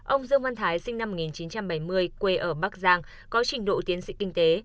ông dương văn thái sinh năm một nghìn chín trăm bảy mươi quê ở bắc giang có trình độ tiến sĩ kinh tế